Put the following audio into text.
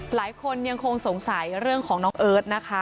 หลายคนยังคงสงสัยเรื่องของน้องเอิร์ทนะคะ